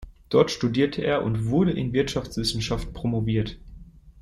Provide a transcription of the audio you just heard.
Dort studierte er und wurde in Wirtschaftswissenschaft promoviert.